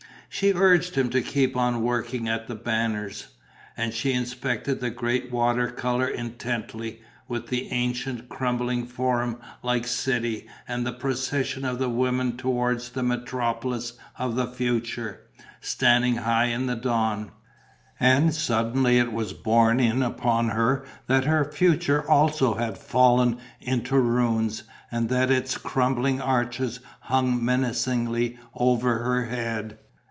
She urged him to keep on working at The Banners. And she inspected the great water colour intently, with the ancient, crumbling Forum like city and the procession of the women towards the metropolis of the future, standing high in the dawn. And suddenly it was borne in upon her that her future also had fallen into ruins and that its crumbling arches hung menacingly over her head.